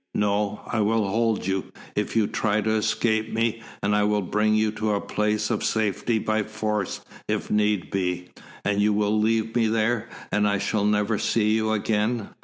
No I will hold you, if you try to escape me, and I will bring you to a place of safety by force, if need be." "And you will leave me there, and I shall never see you again.